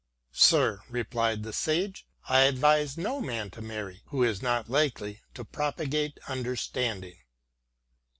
" Sir," replied the sage, " I advise no man to marry who is not likely to propagate understanding."